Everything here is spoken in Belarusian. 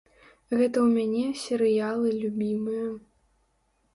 Гэта ў мяне серыялы любімыя.